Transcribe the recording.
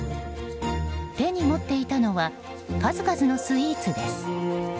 手に持っていたのは数々のスイーツです。